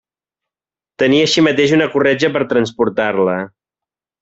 Tenia així mateix una corretja per transportar-la.